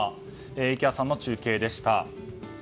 池谷さんの中継でした。